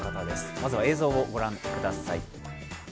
まずは映像をご覧ください。